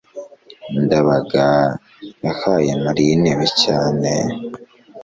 ndabaga yahaye mariya intebe cyane